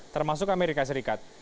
termasuk amerika serikat